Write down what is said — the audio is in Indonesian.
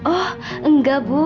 oh enggak bu